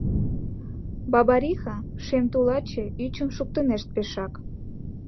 Бабариха — шем тулаче Ӱчым шуктынешт пешак